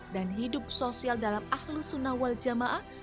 dan hidup sosial dalam ahlu sunnah wal jamaah